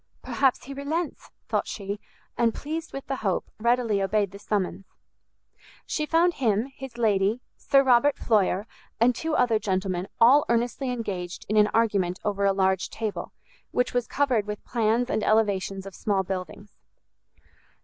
"Perhaps he relents!" thought she; and pleased with the hope, readily obeyed the summons. She found him, his lady, Sir Robert Floyer, and two other gentlemen, all earnestly engaged in an argument over a large table, which was covered with plans and elevations of small buildings.